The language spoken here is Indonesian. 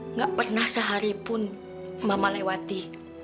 nggak pernah seharipun mama lewati